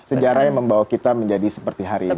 sejarah yang membawa kita menjadi seperti hari ini